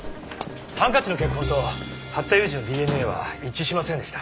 ハンカチの血痕と八田勇二のＤＮＡは一致しませんでした。